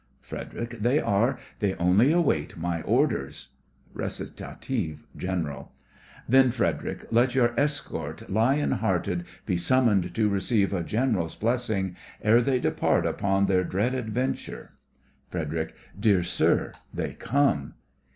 FREDERIC: They are, they only wait my orders. RECIT—GENERAL Then, Frederic, let your escort lion hearted Be summoned to receive a gen'ral's blessing, Ere they depart upon their dread adventure. FREDERIC: Dear, sir, they come.